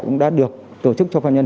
cũng đã được tổ chức cho phạm nhân